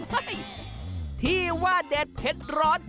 ที่ว่าเด็ดเผ็ดร้อน